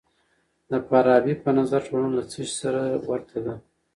د فارابي په نظر ټولنه له څه سي سره ورته ده؟